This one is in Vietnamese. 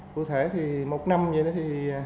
cụ thể một năm như thế